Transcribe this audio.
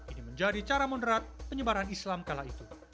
ini menjadi cara moderat penyebaran islam kala itu